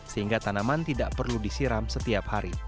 sehingga tanaman tidak perlu disiram setiap hari